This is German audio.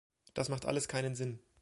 Das alles macht keinen Sinn!